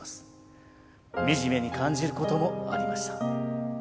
みじめに感じることもありました。